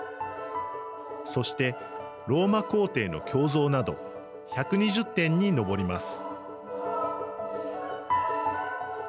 そして、ローマ皇帝の胸像など１２０点にのぼります。